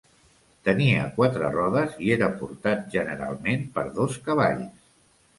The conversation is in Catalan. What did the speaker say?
Tenia quatre rodes i era portat generalment per dos cavalls.